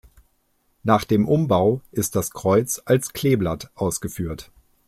Nach dem Umbau ist das Kreuz als Kleeblatt ausgeführt.